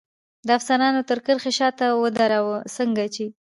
د افسرانو تر کرښې شاته ودراوه، څنګه چې.